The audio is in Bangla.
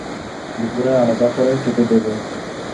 দুপুরে আলাদা করে খেতে দেবে।